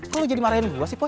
kok lo jadi marahin gue sih poh